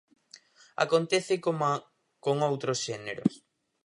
Acontece coma con outros xéneros.